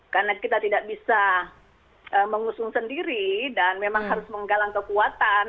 karena kita tidak bisa mengusung sendiri dan memang harus menggalang kekuatan